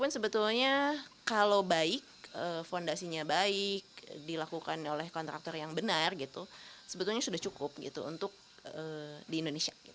sebetulnya sudah cukup untuk di indonesia